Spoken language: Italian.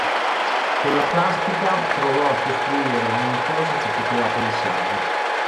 Con la plastica provò a costruire ogni cosa che poteva pensare.